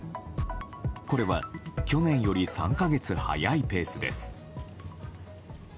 これは、去年より３か月早いペースです。